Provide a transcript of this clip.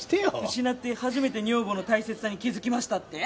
失って初めて女房の大切さに気づきましたって？